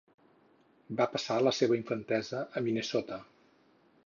Va passar la seva infantesa a Minnesota.